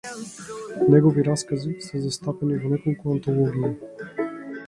Негови раскази се застапени во неколку антологии.